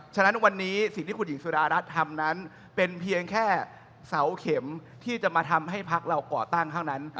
ฉะนั้นวันนี้สิ่งที่คุณหญิงสุดารัฐทำนั้นเป็นเพียงแค่เสาเข็มที่จะมาทำให้พักเราก่อตั้งเท่านั้น